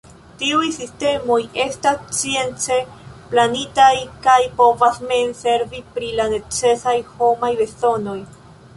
Tiuj sistemoj estas science planitaj kaj povas mem servi pri la necesaj homaj bezonoj.